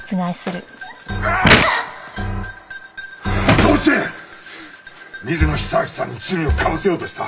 どうして水野久明さんに罪をかぶせようとした？